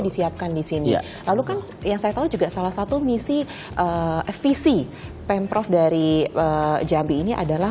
disiapkan di sini lalu kan yang saya tahu juga salah satu misi visi pemprov dari jambi ini adalah